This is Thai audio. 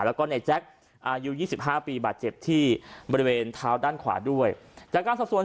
แล้วก็ในแจ๊คอายุยี่สิบห้าปีบาดเจ็บที่บริเวณเท้าด้านขวาด้วยจากการสอบส่วน